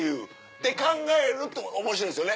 って考えると面白いんですよね。